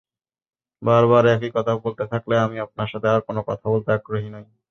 বারবার একই কথা বলতে থাকলে আমি আপনার সাথে আর কোনও কথা বলতে আগ্রহী নই।